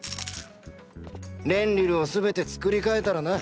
レンリルを全て作り替えたらな。